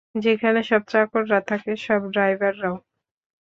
যেখানে সব চাকররা থাকে, সব ড্রাইভাররাও।